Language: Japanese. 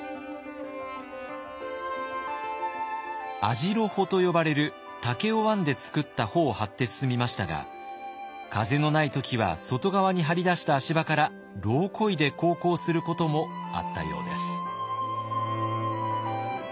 網代帆と呼ばれる竹を編んで作った帆を張って進みましたが風のない時は外側に張り出した足場から櫓をこいで航行することもあったようです。